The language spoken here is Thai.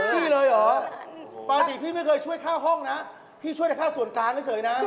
พี่เลยเหรอปกติพี่ไม่เคยช่วยค่าห้องนะพี่ช่วยแต่ค่าส่วนกลางเฉยนะ